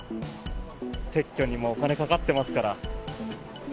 撤去にもお金がかかってますから。